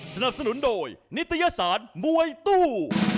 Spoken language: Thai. สนับสนุนโดยนิตยสารมวยตู้